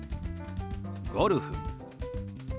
「ゴルフ」。